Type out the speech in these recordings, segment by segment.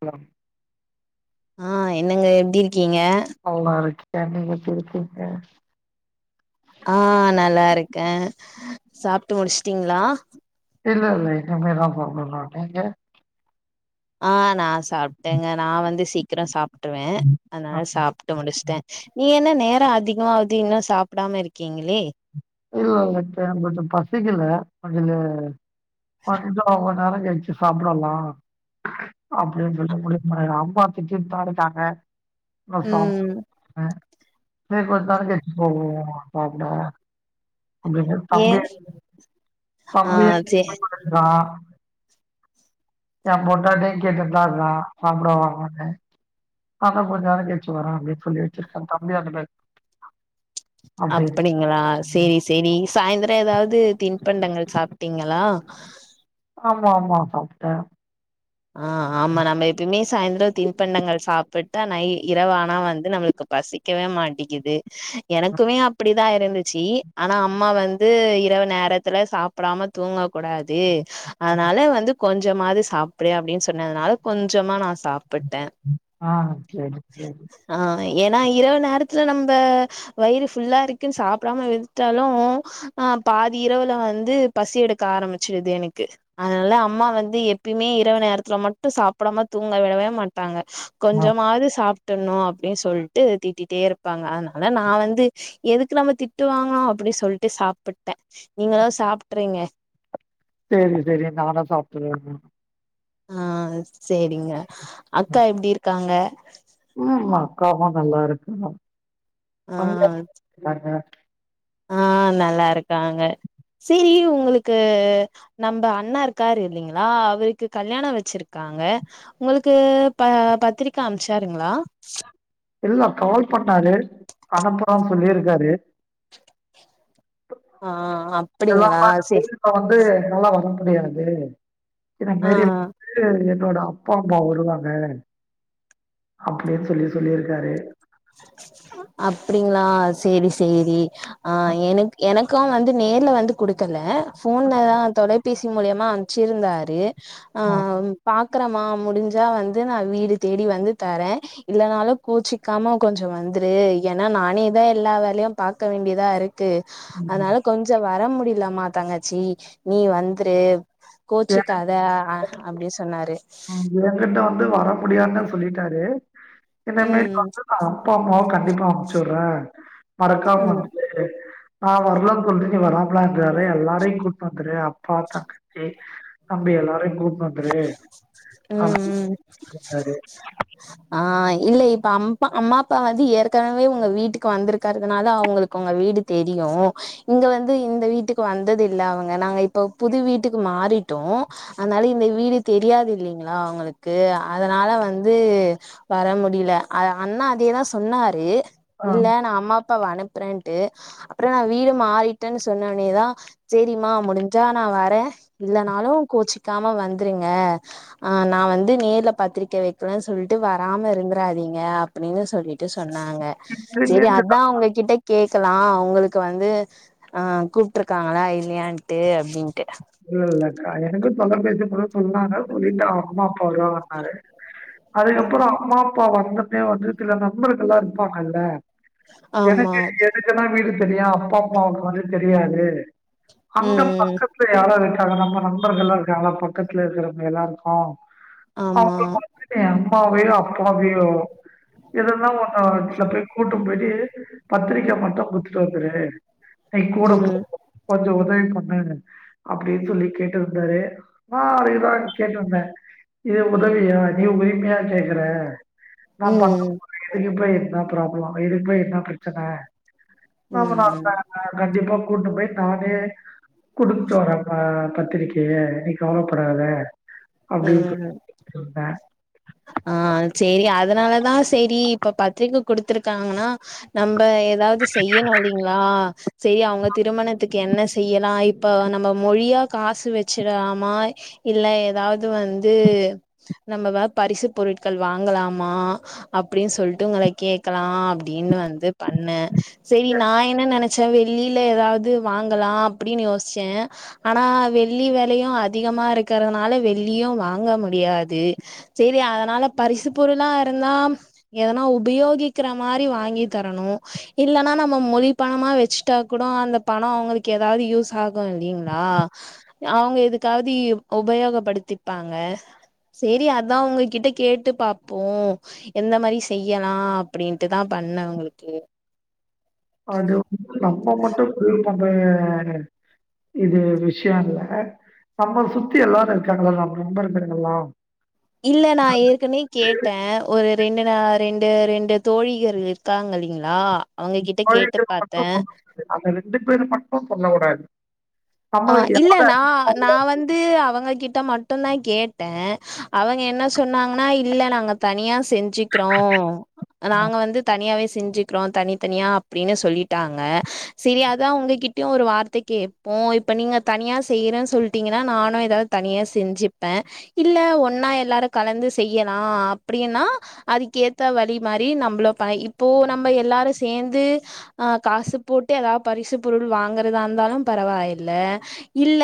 Allow ஆஹ் என்னங்க எப்படி இருக் கீங்க நல்லா இருக்கே எப்டி [unintelligible] இருகீங்க ஆஹ் நல்லா இருக்கேன் சாப்பிட்டு முடிச்சுட்டீங்களா இல்ல இல்ல இனிமேதான் போகணும் நீங்க ஆஹ் நான் சாப்பிட்டேங்க நான் வந்து சீக்கிரம் சாப்டுருவேன் அ அதனால சாப்பிட்டு முடிச்சிட்டேன் நீங்க என்ன நேர த அதிகமாவது இன்னும் சாப்பிடாம இருக்கீங்களே கீழ வந்துட்டேன் பட் பசிக்கல கொஞ்சோ லே கொஞ்சோ நெறை கழுச்சு சாப்டலா அப்டின் சொல்லி முடிவு பண எங்க அம்மா திட்டிட்டுதா இருகாங்க நா சாப் ம் அ தேள் கொட்னாலு சேருச்சு போகுமா சாப்பட அப்டினா ஏ தங்கையென் ஆ தங்கையென் சே [unintelligible] எம் பொண்டாட்டியு கேட்டுட்தாருந்தா சாப்ட வாங்கனு அதா கொஞ் நேரோ கழ்ச்சு வரா அப்டின் சொல்லி வச்சிருக்கே தம்பி அங்குட்டு அப்படிங்களா சேரி சேரி சாய்ந்தரோ எதாவது தின்பண்டங்கள் சாப்ட்டீங்களா ஆமா ஆமா சாப்பிட்டே ஆ ஆமா நம்ம எப்பய்மே சாய்ந்தரொ தின்பண்டங்கள் சாப்புட் ட நை இரவானா வந்து நம்மளுக்கு பசிக்கவே மாட்டிகிது எனக்குமே அப்பிடிதா இருந்துச்சி ஆனா அம்மா வந்து இரவு நேரத்துல சாப்புடாம தூங்க கூடாது அத்னால வந்து கொஞ்சமாது சாப் புடுயா அப்டின் சொன்னதனால கொஞ்சமா நா சாப் ஆ சேரி சேரி ஏனா இரவு நேரத்ல நம்ப வயிறு ஃபுல்லா இருக்கு சாப்புடாம விட்டாலு ஆ பாதி இரவுல வந்து பசி எடுக்க ஆரம்மிச்சுருது எனக்கு அதனால அம்மா வந்து எப்யுமே இரவு நேரத்ல மட்டு சாப்புடாம தூங்க விடவே மாட்டாங்க ஆ கொஞ்சமாது சாப் டன்ணு அப்டி சொல்ட்டு திட்டிட்டேருப்பாங்க அதனால நா வந்து எதுக்கு நம்ம திட்டுவாங்கோ அப்பிடி சொல்ட்டு சாப்புட்ட நீங்களு சாப்ட்றங்க சேரி சேரி நானு சாப்ட்டுர்றே ஆ சேரிங்க அக்கா எப்டி இருக்காங்க ம் அக்காவு ரொம்ப அரட்டதா ஆ [unintelligible] நல்லாருக் ஆ நல்லாருக்காங்க சேரி உங்களுக்கு நம்ப அண்ண இருக்காரு இல்லிங்களா அவுருக்கு கல்யாண வச்சுருக்காங்க உங்களுக்கு ப பத்திரிக்க அம்ச்சாருங்களா இல்ல கால் பண்ணாரு அனுப்புறோம்ன்னு சொல்லிருக்காரு ஆ அப்புடிங்களா சேர் புரியாது இதான் பெரிய பெரியவங்க என்னோட அப்பா அம்மா வருவாங்க அப்டின்னு சொல்லிருக் சொல்லியிருக்காரு அப்டிங்களா சேரி சேரி ஆ எனக் எனக்கும் வந்து நேர்ல வந்து குடுக்கல ஃபோன்ல தா தொலை பேசி மூலியமா அம்ச்சிருந்தாரு ஆ ம் பா க்குரமா முடிஞ்சா வந்து நா வீடு தேடி வந்து தரே இல்லனாலு கோச்சிக்காம கொஞ்சொ வந்துரு ஏன்னா நானே தா எல்லா வேலையு பாக்க வேண்டியதா இருக் ட்டு ம் அதனால கொஞ்சொ வர முடி அப்படி இல்லம்மா தங்கச்சி நீ வந்துரு எ கோச்சிக்காத ஆ அப்டி சொன்னாரு [unintelligible] வந்து வர முடியான்னே சொல்லிட்டாரு இனிமேல்ட்டு ம் வந்து நா அப்பா அம்மாவ க ண்டிப்பா அனுப்ச்சு விட்றே மறக்காம ம் வந்துரு நா வர்லேன்ன சொல்ட்டு நீ வராம்லா இருந்துராதே எல்லாரையு கூட்டு வந்துரு அப்பா தங்கச்சி தம்பி எல்லாரயு கூட்டு வந் துரு உம் ம் அ ஆஹ் இல்ல இப்ப அம்ப அம்மா அப்பா வந்து ஏற்கனவே உங்க வீட்டுக்கு வந்திருக்கறதுனால அவங்களுக்கு உங்க வீடு தெரியு இங்க வந்து இந்த வீட்டுக்கு வந்தது இல்ல அவங்க நாங்க இப்ப புது வீட்டுக்கு மாறிட்டோ அனால இந்த வீடு தெரியாது இல்லீங்களா அவங்களுக்கு அதனால வந்து வர முடியில அத அண்ணா அதேதா சொன்னாரு ஆ இல்ல நா அம்மாப் ப்பாவ அனுப்புறேன்ட்டு அப்பற நா வீடு மாறிட்டேன்னு சொன்ன ஒட்னேதா சரிம்மா முடிஞ்சா நா வரே இல்லனாலு கோச்சி க்காம வந் துருங்க ஆஹ் நா வந்து நேர்ல பத்திரிக்கை வக்கலேன்னு சொல்லிட்டு வராம இருந்துராதீங்க அப்டின்னு சொல்லிட்டு சொ சொன்னாங்க செரி அதா உங்ககிட்ட கேட் லாம் உங்களுக்கு வந்து ஆ கூப்பிட்டுருக்காங்களா இல்லையான்ட்டு அப்பிடின்ட்டு இல்ல இல்லக்கா எனக்கு தொலைபேசி மூல சொன்னாங்க சொல்லிட்டு அவ அம்மா அப்பா வருவாங்கன்னாரு அதுக்கப்பற அம்மா அப்பா வந்துட்டு வந்து சில நண்பர்கள்லா இருப்பாங்கல்ல ஆமா எனக்கு எதுக்கெல்லா இருக் செரியா அப்பாம்மாக்கு வந்து தெரியாது அங்க ம் ம் பக்கத் யாராரு இருக்காங்க நம்ம நண்பர்கள்லா இருக்காங்களா பக்கத்துல இருக்கிறவங்க எல்லாருக்கு ஆமா [unintelligible] ம்மாவையோ அப்பாவையோ இதெல்லா ஒன் ஆஹ் [unintelligible] போய் கூட்டு போய்ட்டு பத்திரிக்க மட்டு குத்துட்டு வந்துரு நீ கூட போ ம் [inaudible] கொஞ்ச [inaudible] தவி பண்ணுன்னு அப்பிடின்னு சொல்லி கேட்டுருந்தாரு நா அதேதா கேட்டுருந்தே இது உதவியா நீ உரிமையா கேக்குற நா பக்கம் ம் [unintelligible] போய் என்ன ப்ராப்ள எதுக்குமே என்ன பிரச்சன ம் [unintelligible] நா ம் கண்டிப்பா கொண்டு போய் தானே குடுத்ட்டு வரே அஹ் பத்திரிக்கய நீ கவலப்படாத அப்பிடின் சொல் சொல்றே ஆஹ் சரி அதனாலதா சரி இப்ப பத்திரிகை குடுத்துருக்காங்கன்னா நம்ப அதாவது செய்யணு இல்லிங்களா சரி அவங்க திருமணத்துக்கு என்ன செய்யலா இப்ப நம்ம மொய்யா காசு வச்சிடாமா இல்ல ஏதாவது வந்து நம்ம வ பரிசு பொருட்கள் வாங்கலாமா அப்படின்னு சொல்ட்டு உங்கள கேட்கலா அப்டின்னு வந்து பண்ணே சரி நா என்ன நெனைக் ச வெள்ளில ஏதாவது வாங்கலா அப்படின்னு யோசிச்சே ஆனா வெள்ளி வெலயு அதிகமா இருக்கிறதுனால வெள்ளியு வாங்க முடியாது சரி அதனால பரிசு பொருளா இருந்தா எதனா உபயோகிக்கிற மாரி வாங்கி தரணு இல்லைன்னா நம்ம மொழி பணமா வச்சுட்டா கூட அந்த பணம் அவங்களுக்கு ஏதாவது யூஸ் ஆகும் இல்லிங்களா அவங்க எதுக்காவது உபயோகப்படுத்திப்பாங்க சரி அத் அதா உங்ககிட்ட கேட்டு பாப்போ எந்த மாதி செய்யலா அப்படின்ட்டுதா பண்ணே உங்களுக்கு அது நம்ம மட்டு புரிய போ இது விஷய இல்ல நம்ம சுத்தி எல்லாரு இருக்காங்கள நம் ரொம்ப இருக்கிறங்கல்லா இல்ல நா ஏற்கனே கேட்டே ஒரு ரெண்டு நா ரெண்டு ரெண்டு தோழியர் இருக்காங்க இல்லைங்ளா தோழிகள் மட்டு சொல்ல கூடாது அந்த ரெண்டு பேரும் மட்டு சொல்ல கூடாது ஆஹ் இல்ல நா நான் வந்து அவங்க கிட் ட மட்டுந்தா கேட்டே அவங்க என்ன சொன்னாங்னா இல்ல நாங்க தனியா செஞ் சிக்றோ நாங்க வந்து தனியாவே செஞ்சிக்றோ தனித்தனியா அப்டினு சொல்லிட்டாங்க செரி அதா உங்க கிட் கிட்யு ஒரு வார்த்தக்கேப்போ இப்ப நீங்க தனியா செய்யிறன் சொல்ட்டிங்கனா நானு ஏதாது தனியாக செஞ்சிப்பே இல்ல ஒன்னா எல்லாரு கலந்து செய்யலா அப்டின்னா அதுக்கேத்த வழி மாரி நம்ளோ ப இப்போ நம்ம எல்லாரு சேந்து அ காசு போட்டு ஏதாவ் பரிசு பொருள் வாங்கறதா இருந்தாலு பரவாய் ல இல்ல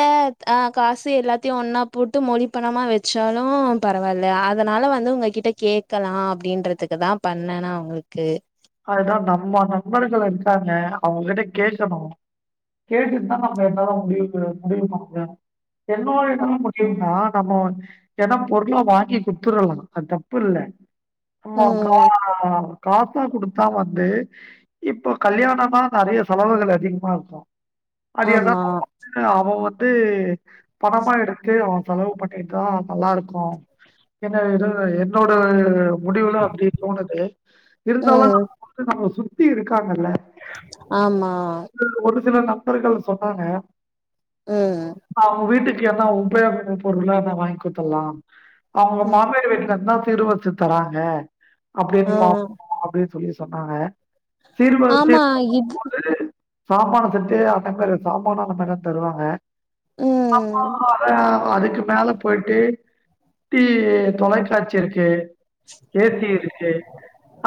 அ காசு எல்லாத்தையு ஒன்னா போட்டு மொழி பணமா வச்சாலு பரவால்ல அதனால வந்து உங்ககிட்ட கேக்கலா அப்டின்றதுக்கு தா பண்ணெனா உங்களுக்கு அதுதா நம்ம நண்பர்கள் இருக்காங்க அவங்கிட்ட கேக்கணு கேட்டுட்டு தா நம்ம எல்லாரு முடிவுக்கு முடிவு பண்ணணு என்னோட அ [unintelligible] நம்மொ ஏனா பொருளா வாங்கி குடுத்துரலா அது தப்பு இல்ல அம்மா கா ம் காசா குடுத் தா வந்து இப்பொ கல்யாணொனா நெறைய செலவுகள் அதிகமா இருக்கு அது எதா ஆமா அவ வந் வந்து பணமா எடுத்து அவன் செலவு பண்ணிட்டுதா நல்லா இருக்கு என்ன [unintelligible] என்னோட முடிவுல அப்டி தோணுது இருந்தவன ம் அது நம்மள சுத்தி இருக்காங்கல்ல ஆமா ஒரு சில நண்பர்கள் சொன்னாங்க உம் கு ஏன உபயோக [inaudible] பொருளா வாங்கி குத்துலாம் அவுங்க ம் மாமியார் வீட்டுல இருந்தா சிருவருசா தராங்க அப்டியே ஆ பாப்போ அப்டியே சொல்லி வச் சொன்னாங்க சீர்வரிசை ஆமா இது என்பது [inaudible] சாமான அந்த மேல தருவாங்க அப்போ ம் அத அதுக் அதுக்கு மேல போயிட்டு டி தொலைக்காட்சி இருக்கு ஏ சி இருக்கு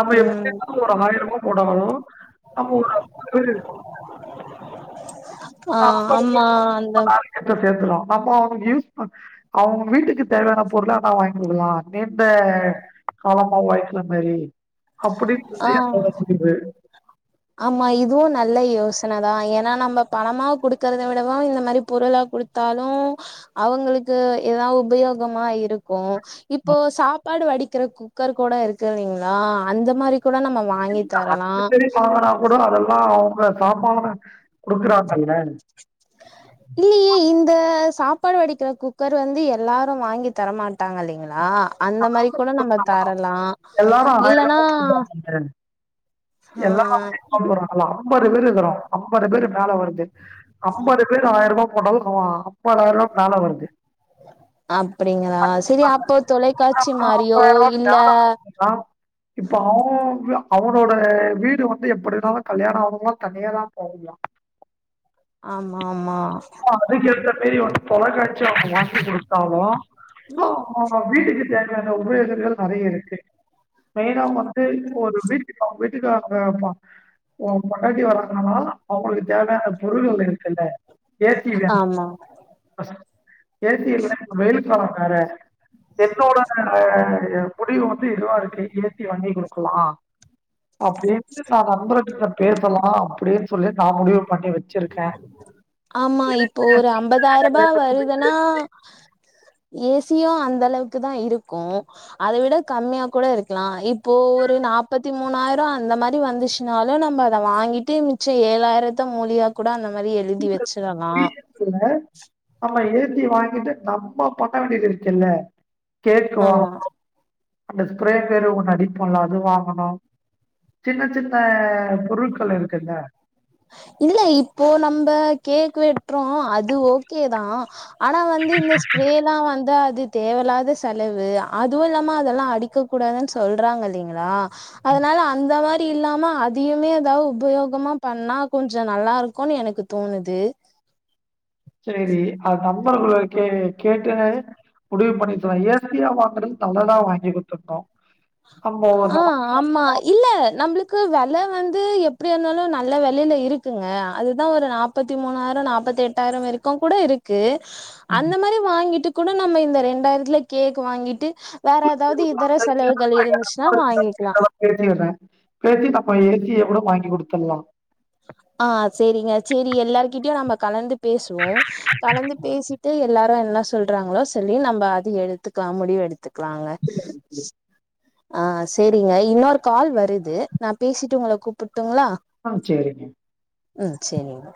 அப்ப எப்டி ம் ஒரு ஆயிரம் ரூபா போட்டாலு நம்ம ஒரு அம்பது பேர் இருக்கோ ஆ அம்பது பேர் ஆமா அந்த வந்து [unintelligible] கேக்கணு நம்ம அவங்க யூஸ் அவங்க வீட்டுக்கு தேவையான பொருள நா வங்கிக்கொடுக்கலா நீண்ட காலமா உழ்க்கிற மாதரி அப்பிடின்னு சொல்லி ஆ என்னோட முடிவு ஆமா இதுவு நல்ல யோசன தா ஏன்னா நம்ம பணமா குடுக்கிறத விடவு இந்த மாரி பொருளா குடுத்தாலு அவங்களுக்கு ஏதா உபயோகமா இருக்கு இப்போ சாப்பாடு வடிக் கிற குக்கர் கூட இருக்கு இல்லைங்களா அந்த மாரி கூட நம்ம வாங்கி தரலா இது பண்ணா கூட அதெல்லா அங்க சாமானு கொடுக்குறாங்கல இல்லையே இந்த சாப்பாடு வடிக்கிற குக்கர் வந்து எல்லாரு வாங்கி தரமாட்டாங்க இல்லைங்களா அந்த மாரி கூட நம்ம தரலா எல்லாரும் இல்லனா ரூபா குடுக்குறாங்கல்ல. ஆ அம்பது பேர் மேல வருது அம்பது பேர் ஆயிரூபா போட்டாலு அ அம்பாதயிரம் ரூபா மேல வருது அப்படிங்க லா சரி அப்போ தொலைக்காட்சி ஆ அப்ப மாரியோ இல்ல ஞாபகம் வந்ததுன்னா, இப்ப அவன் வி- அவனோட வீடு வந்து எப்படினாலு கல்யாணம் ஆணங்களா தனியதா போவங்களா ஆமா ஆமா ஆ வீட்டிய தட்டி ஒத் தொலைக்காட்சி அவுங்க வாங்கி கொடுத்தாலு [unintelligible] வீட்டுக்கு தேவையான உலோகங்கள் நறைய இருக்கு மெயினா வந்து ஒரு வீட்டுக்கு அவுங்க வீட்டுக்கு அங்க பொண்டாட்டி வர்றாங்கனா அவுங்களுக்கு தேவையான பொருள் அஙக இருக்குல்ல ஏசி வேண ஆமா ஏசி வெயில் காலம் வேற என்னோட முடிவு வந்து இதுவா இருக்கு ஏசி ஏசிவாங்கி குடுக்கலா அப்பிடின்னு நான் நண்பர்கள்கிட்ட பேசலாம் அப்பிடின்னு சொல்லே தான் முடியும் பண்ணி வச்சிருக்கேன் ஆமா இப்போ ஒரு அம்பதாயிரம் ரூபா வருதுன்னா ஏசியும் அந்த அளவுக்கு தான் இருக்கும் அத விட கம்மியா கூட இருக்கலாம் இப்போ ஒரு நாப்பத்தி மூணாயிரம் அந்த மாதிரி வந்துச்சுனாலும் நம்ம அத வாங்கிட்டு மிச்சம் ஏழாயிரத்த மூலியா கூடா அத எழுதி வச்சிடலாம் ஏ சி வாங்கிட்டு நம்ம பண்ண வேண்டியதிருக்கல்ல கேட்கவா ஆமா அந்த ஸ்பிரே பேரு ஒண்ணு அடிப்போம்ல அது வாங்கணும் சின்ன சின்ன பொருட்கள் இருக்குல இல்லே இப்போ நம்ம கேக் வெட்டுறோம் அது ஓகேதா ஆனா வந்து இந்த ஸ்பிரேலா வந்து அது தேவையில்லாத செலவு அதுவும் இல்லாம அதெல்லாம் அடிக்க கூடாதுன்னு சொல்றாங்க இல்லலைங்களா அதனால அந்த மாதி இல்லாம அதியுமே ஏதாவது உபயோகமா பண்ணா கொஞ்சம் நல்லா இருக்கும்ன்னு எனக்கு தோணுது சேரி அது நண்பர்கள்கிட்டே கேட்டு முடிவு பண்ணிக்கலாம் ஏ சியா வாங்கறது நல்லதா வாங்கி குடுத்துருனும் ஆஹ் ஆமா இல்லே நம்மளுக்கு க்கு விலை வந்து எப்படி இருந்தாலும் நல்ல விலையில் இருக்குங்க அது தான் ஒரு நாற்பத்தி மூணாயிரம் நாற்பத்தி எட்டாயிரம் வரைக்கும் கூட இருக்கு அந்த மாதிரி வாங்கிட்டு கூட நம்ம இந்த ரெண்டாயிரத்துல கேக் வாங்கிட்டு வேற ஏதாவது இதர செலவுகள் இருந்துச் [unintelligible] இதக்கூட வாங்கி கொடுத்தடலாம் ஆஹ் சரிங்க சரி எல்லாருகிட்டேயும் நம்ம கலந்து பேசுவோம் கலந்து பேசிட்டு எல்லாரும் என்ன சொல்றாங்களோ சொல்லி நம்ம அது எடுத்துக்கலாம் முடிவு எடுத்து கத்துக்கலாங்க சரிங்க. ஆஹ் சரிங்க இன்னொரு கால் வருது நான் பேசிட்டு உங்க கூப்பிட்டுங்களா ஆஹ் சரிங்க உம் சேரிங்க